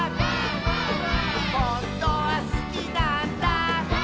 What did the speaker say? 「ほんとはすきなんだ」